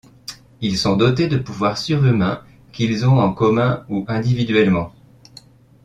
Ils sont dotés de pouvoir surhumains qu'ils ont en commun ou individuellement.